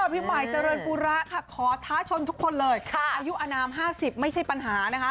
พี่ใหม่เจริญปูระค่ะขอท้าชนทุกคนเลยอายุอนาม๕๐ไม่ใช่ปัญหานะคะ